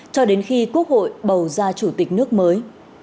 cho đến khi quốc hội bầu ra chủ tịch nước mới